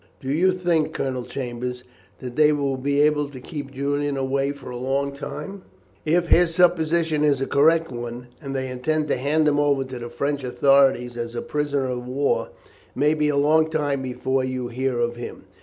"Do you think, Colonel Chambers, that they will be able to keep Julian away for a long time?" "If his supposition is a correct one, and they intend to hand him over to the French authorities as a prisoner of war, it may be a long time before you hear of him.